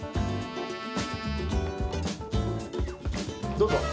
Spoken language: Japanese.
どうぞ。